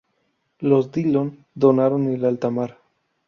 Los Dillon donaron el altar.